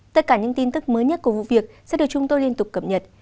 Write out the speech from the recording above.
tất cả những tin tức mới nhất của vụ việc sẽ được chúng tôi liên tục cập nhật